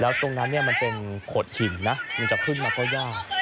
แล้วตรงนั้นเนี้ยมันเป็นขดหินนะมันจะขึ้นมาก็ยาก